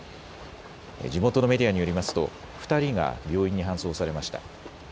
地元のメディアによりますと２人が病院に搬送されました。